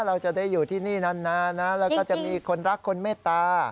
เราจะได้อยู่ที่นี่นานนะแล้วก็จะมีคนรักคนเมตตา